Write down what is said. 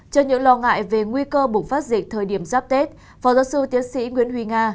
trước những lo ngại về nguy cơ bùng phát dịch thời điểm giáp tết phó giáo sư tiến sĩ nguyễn huy nga